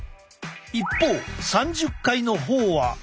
一方３０回の方は。